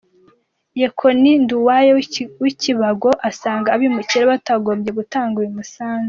Yekonie Nduwayo w’i Kibago asanga abimukira batagombye gutanga uyu musanzu.